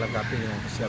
dan mengatakan jelas pada